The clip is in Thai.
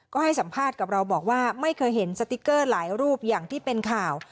ก็ให้สัมภาษณ์กับเราบอกว่าไม่เคยเห็นสติ๊กเกอร์หลายรูปอย่างที่เป็นข่าว